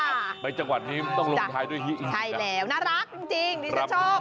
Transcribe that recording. ในจังหวัดนี้ต้องลงท้ายด้วยฮิชิใช่แล้วน่ารักจริงจริงดิฉันชอบ